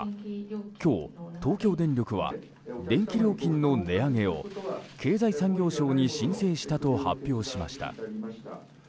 今日、東京電力は電気料金の値上げを経済産業省に申請したと発表しました。